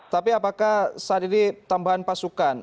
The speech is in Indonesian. tapi apakah saat ini tambahan pasukan